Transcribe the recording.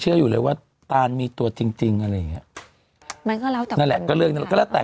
ไหนสิพี่มดเล่าค่ะ